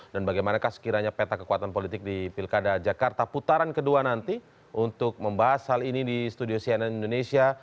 dan bagaimana sekiranya peta kekuatan politik di pilkada jakarta putaran kedua nanti untuk membahas hal ini di studio cnn indonesia